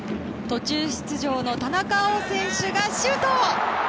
途中出場の田中碧選手がシュート！